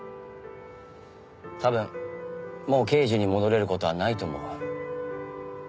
多分もう刑事に戻れる事はないと思う。